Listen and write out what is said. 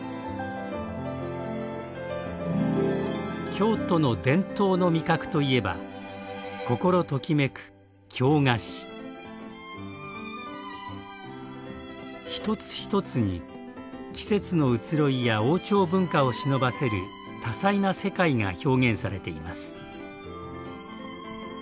京都の伝統の味覚といえば一つ一つに季節の移ろいや王朝文化をしのばせる多彩な世界が表現されています。